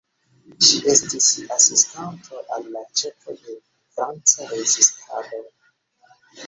Ŝi estis asistanto al la ĉefo de Franca rezistado.